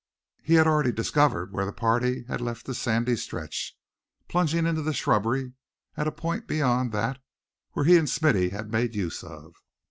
He had already discovered where the party had left the sandy stretch, plunging into the shrubbery, at a point beyond that where he and Smithy had made use of.